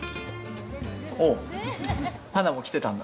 ああ花も来てたんだ。